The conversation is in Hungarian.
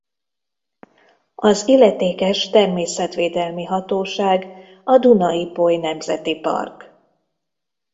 Az illetékes természetvédelmi hatóság a Duna–Ipoly Nemzeti Park.